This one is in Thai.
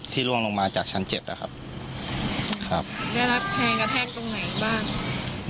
ล่วงลงมาจากชั้นเจ็ดนะครับครับได้รับแทงกระแทกตรงไหนบ้าง